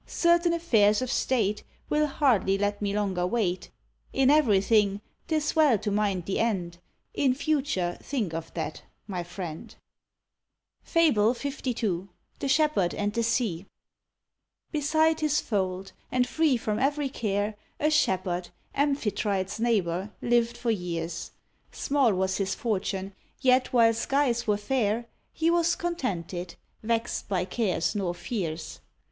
Certain affairs of state Will hardly let me longer wait; In everything 'tis well to mind the end, In future think of that, my friend." [Illustration: THE SHEPHERD AND THE SEA.] FABLE LII. THE SHEPHERD AND THE SEA. Beside his fold, and free from every care, A Shepherd, Amphitrite's neighbour, lived for years; Small was his fortune, yet while skies were fair, He was contented, vexed by cares nor fears.